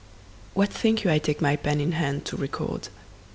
WHAT think you I take my pen in hand to record?